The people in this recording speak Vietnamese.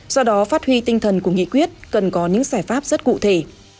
do đó phát huy tinh thần của nghị quyết cần có những giải pháp rất cụ thể